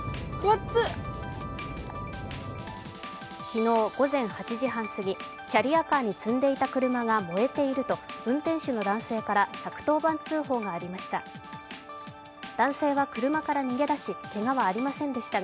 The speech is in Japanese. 昨日午前８時半すぎキャリアカーに積んでいた車が燃えていると運転手の男性から１１０番通報がありました。